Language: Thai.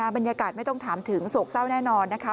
บรรยากาศไม่ต้องถามถึงโศกเศร้าแน่นอนนะคะ